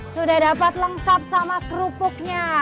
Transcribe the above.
sudah dapat lengkap sama kerupuknya